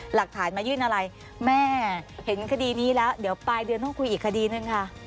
หลักฐานมายื่นอะไรแม่เห็นคดีนี้แล้วเดี๋ยวปลายเดือนต้องคุยอีกคดีนึงค่ะ